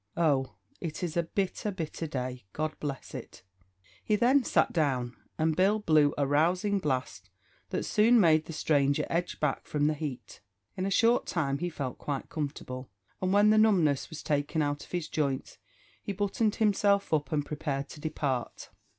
Oh, it _is a bitter, bitter day; God bless it!" _ He then sat down, and Bill blew a rousing blast that soon made the stranger edge back from the heat. In a short time he felt quite comfortable, and when the numbness was taken out of his joints, he buttoned himself up and prepared to depart.